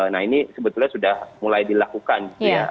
nah ini sebetulnya sudah mulai dilakukan